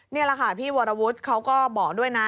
นี่แหละค่ะพี่วรวุฒิเขาก็บอกด้วยนะ